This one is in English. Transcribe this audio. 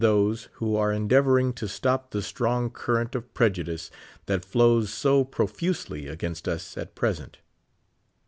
e who are endeavoring to stop the strong current of prejudice that flows so f>rofusely against us at present.